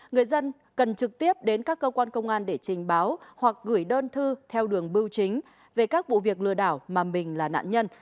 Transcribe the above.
người dân cần trực tiếp đến các cơ quan công an để trình báo hoặc gửi đơn thư theo đường bưu chính về các vụ việc lừa đảo mà mình là nạn nhân